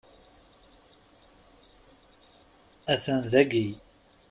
Atan dagi!